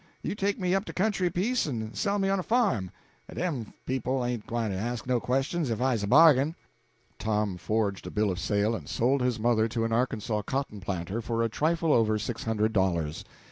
You take me up de country a piece, en sell me on a farm; dem people ain't gwyne to ask no questions if I's a bargain." Tom forged a bill of sale and sold his mother to an Arkansas cotton planter for a trifle over six hundred dollars.